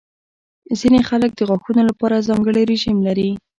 ځینې خلک د غاښونو لپاره ځانګړې رژیم لري.